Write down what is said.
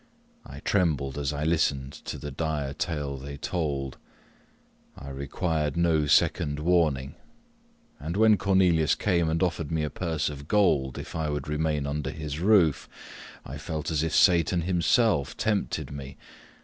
I trembled as I listened to the dire tale they told; I required no second warning; and when Cornelius came and offered me a purse of gold if I would remain under his roof, I felt as if Satan himself tempted me.